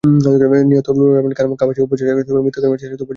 নিহত নুরুল আমিন খান কাপাসিয়া উপজেলার খিলগাঁও গ্রামের মৃত তোফাজ্জল হোসেনের ছেলে।